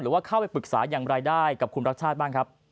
ว่าเข้าไปปรึกษาอย่างไรได้กับคุณรักชาติบ้างครับ